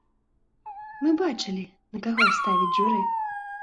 Мы бачылі, на каго ставіць журы.